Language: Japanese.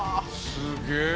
すげえ。